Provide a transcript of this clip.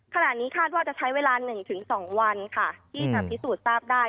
ขณะนี้คาดว่าจะใช้เวลา๑๒วันค่ะที่จะพิสูจน์ทราบได้